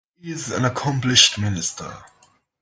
He is an accomplished minister.